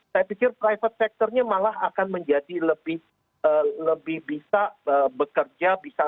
saya pikir private sectornya malah akan menjadi lebih bisa bekerja bisa